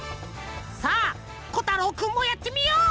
さあこたろうくんもやってみよう！